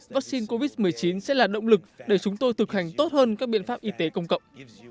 vaccine covid một mươi chín sẽ là động lực để chúng tôi thực hành tốt hơn các biện pháp y tế công cộng